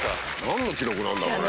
何の記録なんだろうね？